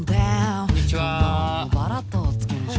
こんにちは。